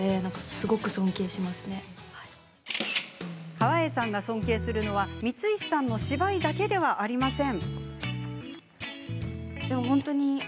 川栄さんが尊敬するのは光石さんの芝居だけではありません。